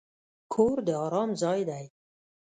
کور د ارام ځای دی.